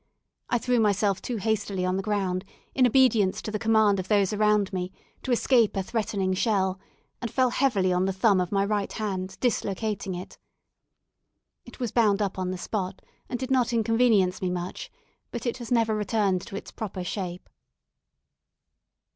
I threw myself too hastily on the ground, in obedience to the command of those around me, to escape a threatening shell, and fell heavily on the thumb of my right hand, dislocating it. It was bound up on the spot and did not inconvenience me much, but it has never returned to its proper shape.